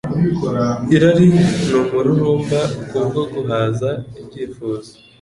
irari n’umururumba. Kubwo guhaza ibyifuzo